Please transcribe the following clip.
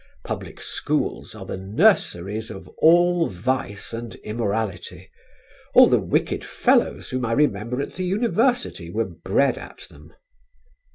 Public schools are the nurseries of all vice and immorality. All the wicked fellows whom I remember at the University were bred at them...."